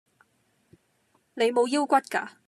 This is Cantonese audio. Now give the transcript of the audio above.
你無腰骨架